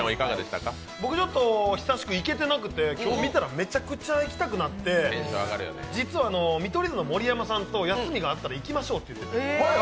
僕久しく行けてなくて今日見たらめちゃくちゃ行きたくなって実は見取り図の盛山さんと休みが合ったら行きましょうって言ってて。